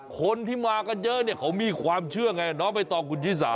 คนที่มากันเยอะเขามีความเชื่อไงไปต่อกุญชิสา